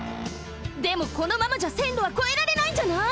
でもこのままじゃせんろはこえられないんじゃない？